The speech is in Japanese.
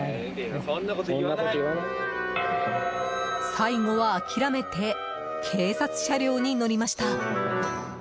最後は諦めて警察車両に乗りました。